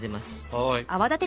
はい。